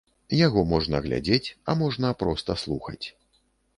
Яго можна глядзець, а можна проста слухаць.